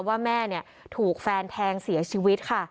ว่าแม่ถูกแฟนแทงเสียชีวิตค่ะ